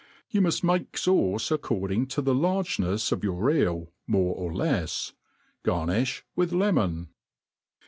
You muft make fauce according t^ the largenefs of your eel^ more or lefs. Garniih with lemon.